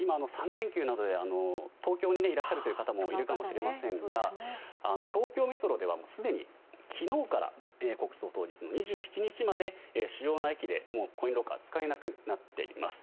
３連休などで東京にいらっしゃる方もいるかもしれませんが東京メトロではすでに昨日から国葬当日の２７日まで主要な駅でコインロッカーは使えなくなっています。